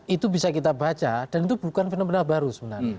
itu bisa kita baca dan itu bukan fenomena baru sebenarnya